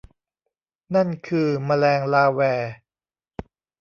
นั่นคือแมลงลาแว